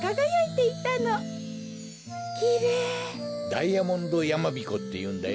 ダイヤモンドやまびこっていうんだよ。